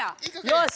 よし！